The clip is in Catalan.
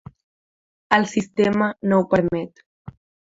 El sistema no ho permet.